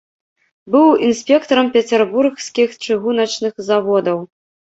Быў інспектарам пецярбургскіх чыгуначных заводаў.